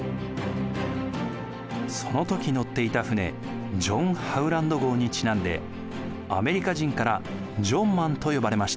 その時乗っていた船ジョン・ハウランド号にちなんでアメリカ人からジョン・マンと呼ばれました。